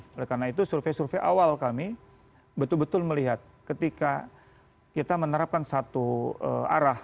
oleh karena itu survei survei awal kami betul betul melihat ketika kita menerapkan satu arah